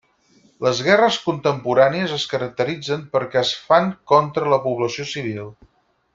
Les guerres contemporànies es caracteritzen perquè es fan contra la població civil.